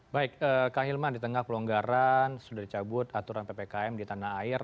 baik kang hilman di tengah pelonggaran sudah dicabut aturan ppkm di tanah air